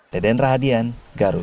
deden rahadian garut